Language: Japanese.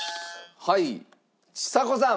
はいちさ子さん。